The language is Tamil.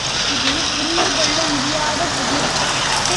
இது புரிந்து கொள்ள முடியாத புதிர்!